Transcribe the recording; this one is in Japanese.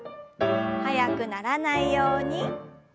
速くならないようにチョキ。